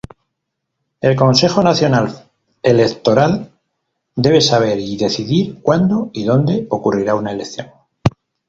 El Consejo Nacional Electoral debe saber y decidir cuándo y dónde ocurrirá una elección.